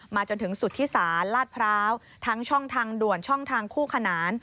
จนถึงสุธิศาลลาดพร้าวทั้งช่องทางด่วนช่องทางคู่ขนาน